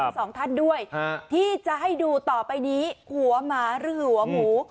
สองท่านด้วยที่จะให้ดูต่อไปนี้หัวหมาหรือหัวหมู